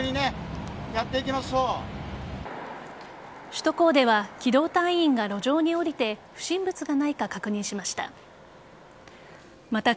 首都高では機動隊員が路上に降りて不審物がないか確認しました。